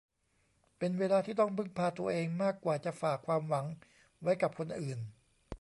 เป็นเวลาที่ต้องพึ่งพาตัวเองมากกว่าจะฝากความหวังไว้กับคนอื่น